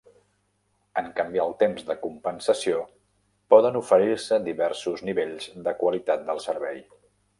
En canviar el temps de compensació, poden oferir-se diversos nivells de qualitat del servei.